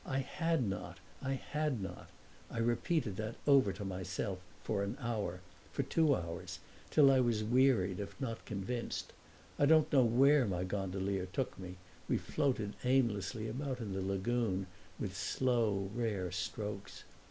I had not, I had not; I repeated that over to myself for an hour, for two hours, till I was wearied if not convinced. I don't know where my gondolier took me; we floated aimlessly about in the lagoon, with slow, rare strokes.